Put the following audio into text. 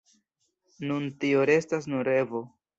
Nun tio restas nur revo.